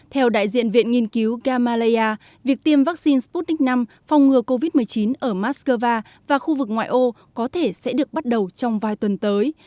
theo đại diện viện nghiên cứu gamaleya việc tiêm vaccine sputnik v phong ngừa covid một mươi chín ở moscow và khu vực ngoại ô có thể sẽ được bắt đầu trong vài tuần tới